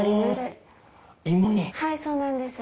はいそうなんです。